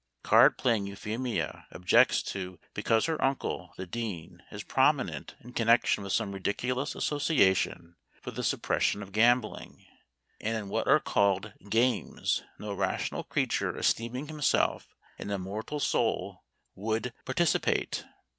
Card playing Euphemia objects to because her uncle, the dean, is prominent in connection with some ridiculous association for the suppression of gambling; and in what are called "games" no rational creature esteeming himself an immortal soul would participate.